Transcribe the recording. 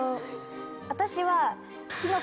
私は。